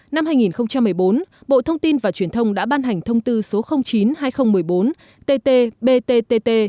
năm hai nghìn một mươi bốn bộ thông tin và truyền thông đã ban hành thông tư số chín hai nghìn một mươi bốn tt btt